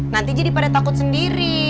nanti jadi pada takut sendiri